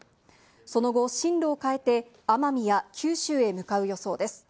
その後、進路を変えて奄美や九州へ向かう予想です。